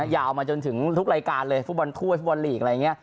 ยาวมาจนถึงทุกรายการเลยฟุตบอลถ้วยฟุตบอลลีกอะไรอย่างนี้